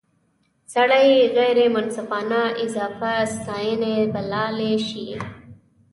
سړی یې غیر منصفانه اضافه ستانۍ بللای شي.